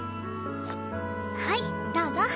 はいどうぞ。